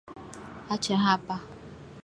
Acha hapa.